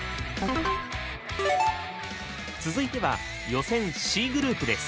続いては予選Ｃグループです。